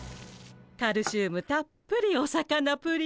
カルシウムたっぷりお魚プリン。